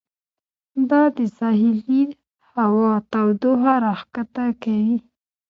دا د ساحلي هوا تودوخه راښکته کوي.